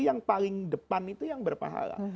yang paling depan itu yang berpahala